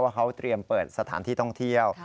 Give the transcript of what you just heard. เขาเตรียมเปิดสถานที่ท่องเที่ยว